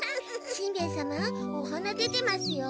しんべヱ様おはな出てますよ。